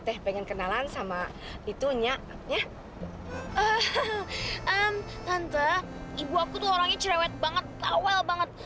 teh pengen kenalan sama itu nyatanya em tante ibu aku tuh orangnya cerewet banget awal banget